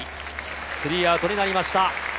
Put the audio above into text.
３アウトになりました。